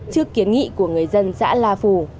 trước kiến nghị của người dân xã la phủ